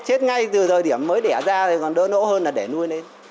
chết ngay từ thời điểm mới đẻ ra còn đỡ nỗ hơn là để nuôi lên